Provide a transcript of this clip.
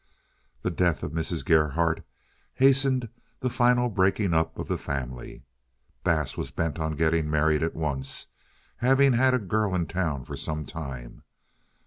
The death of Mrs. Gerhardt hastened the final breaking up of the family. Bass was bent on getting married at once, having had a girl in town for some time.